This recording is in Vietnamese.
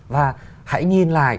và hãy nhìn lại